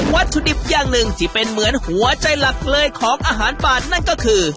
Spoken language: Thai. วัตถุดิบอย่างหนึ่งที่เป็นเหมือนหัวใจหลักเลยของอาหารป่านั่นก็คือ